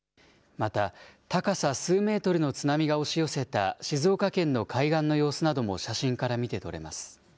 また高さ数メートルの津波が押し寄せた静岡県の海岸の様子なども写真から見て取れます。